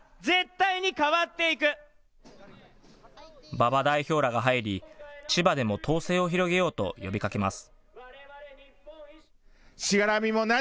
馬場代表らが入り、千葉でも党勢を広げようと呼びかけます。